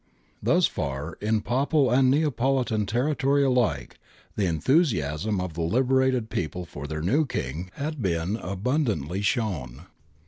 Thus far, in Papal and in Neapolitan terri tory alike, the enthusiasm of the liberated people for their new King had been abundantly shown.